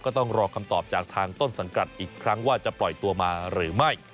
ต้องรอคำตอบจากทางต้นสังกัดอีกครั้งว่าจะปล่อยตัวมาหรือไม่